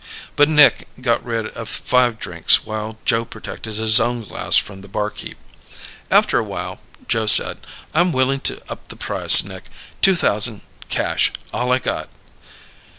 But Nick got rid of five drinks while Joe protected his own glass from the barkeep. After a while, Joe said, "I'm willing to up the price, Nick. Two thousand cash. All I got."